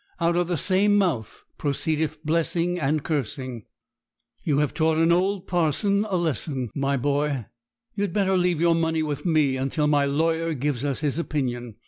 Out of the same mouth proceedeth blessing and cursing." You have taught an old parson a lesson, my boy. You had better leave your money with me until my lawyer gives us his opinion.